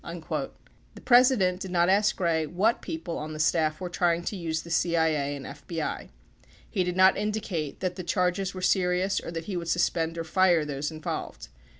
49 The President did not ask Gray what people on the staff were trying to use the CIA and FBI ; he did not indicate that the charges were serious or that he would suspend or fire those involved.